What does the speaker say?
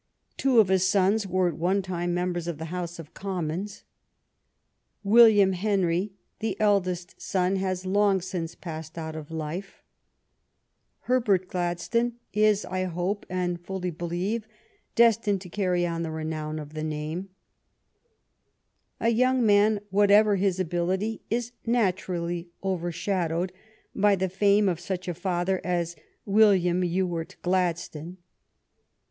Two of his sons were at one time members of the House of Commons. William Henrj', the eldest son, has long since passed out of life. Herbert Gladstone (Pholographed tram »alet color originals painled by Mai)' Stitml is, I hope and fully believe, destined to carry on the renown of the name. A young man, whatever his ability, is naturally overshadowed by the fame of such a father as William Ewart Gladstone.